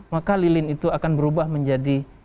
maka lilin itu akan berubah menjadi